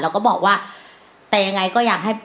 ก็บอกว่าแต่ยังไงก็อยากให้